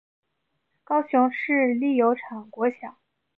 高雄市立油厂国小